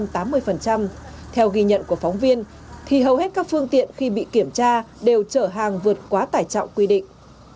theo ghi nhận của phóng viên thì hầu hết các phương tiện khi bị kiểm tra đều chở hàng vượt quá tải trọng quy định